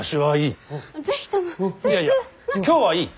いやいや今日はいい。